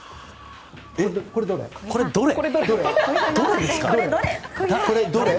これ、どれ？